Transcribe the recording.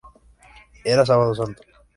Era sábado santo.